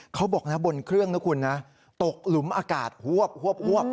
เขาบอกนะบนเครื่องนะคุณนะตกหลุมอากาศหวบ